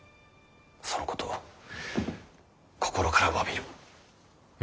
そのことを心からわびる。